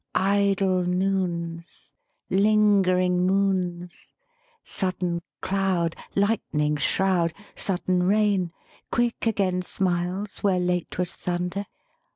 Idle noons, Lingering moons, Sudden cloud, Lightning's shroud, Sudden rain, Quick again Smiles where late was thunder?